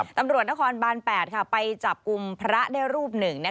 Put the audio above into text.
ตำรวจนครบาน๘ไปจับกลุ่มพระได้รูปหนึ่ง